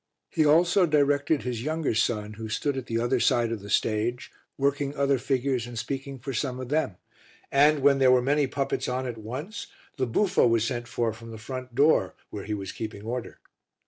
He also directed his younger son who stood at the other side of the stage, working other figures and speaking for some of them, and, when there were many puppets on at once, the buffo was sent for from the front door, where he was keeping order.